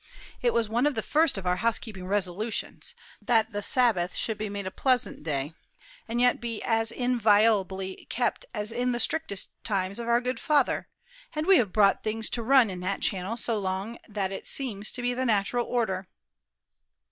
It was one of the first of our housekeeping resolutions, that the Sabbath should be made a pleasant day, and yet be as inviolably kept as in the strictest times of our good father; and we have brought things to run in that channel so long that it seems to be the natural order."